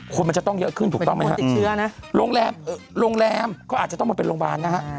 คนมันจะต้องเยอะขึ้นถูกต้องไหมฮะติดเชื้อนะโรงแรมโรงแรมก็อาจจะต้องมาเป็นโรงพยาบาลนะฮะ